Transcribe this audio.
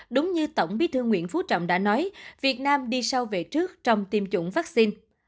đúng như tổng bí thư nguyễn phú trọng đã nói việt nam đi sau về trước trong tiêm chủng vaccine